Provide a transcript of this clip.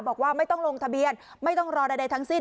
บอกว่าไม่ต้องลงทะเบียนไม่ต้องรอใดทั้งสิ้น